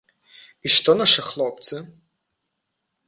І што нашы хлопцы?